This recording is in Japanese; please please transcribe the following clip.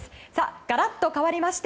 ガラッと変わりまして